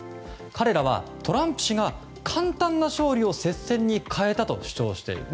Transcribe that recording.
彼らはトランプ氏が簡単な勝利を接戦に変えたと主張している。